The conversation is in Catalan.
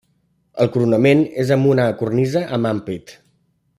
El coronament és amb una cornisa amb ampit.